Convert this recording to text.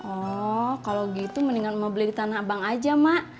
oh kalau gitu mendingan mau beli di tanah abang aja mak